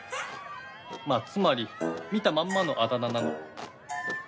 まあつまり見たまんまのあだ名なの。